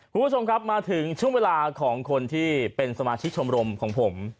คุณผู้ชมครับมาถึงช่วงเวลาของคนที่เป็นสมาชิกชมรมของผม